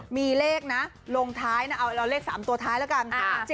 มีเลขนะลงท้ายนะเอาเลข๓ตัวท้ายแล้วกัน